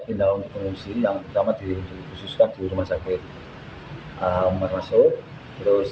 pindah untuk pengungsi yang pertama dikhususkan di rumah sakit almar masuk terus